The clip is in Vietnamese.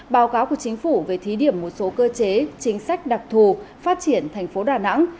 báo cáo của chính phủ về thí điểm một số cơ chế chính sách đặc thù phát triển thành phố đà nẵng